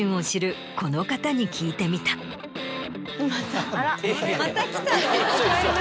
また来たの？